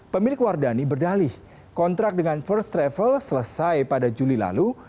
pemilik wardani berdalih kontrak dengan first travel selesai pada juli lalu